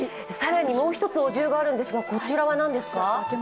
もう１つお重があるんですがこちらは何ですか？